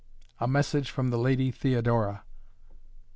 "A message from the Lady Theodora."